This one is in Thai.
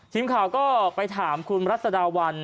ทีมข่าวก็ไปถามคุณรัศดาวัน